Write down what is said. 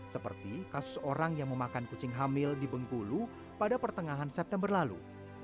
seperti kasus orang yang memakan kucing hamil di bengkulu pada pertengahan september lalu